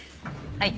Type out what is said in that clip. はい。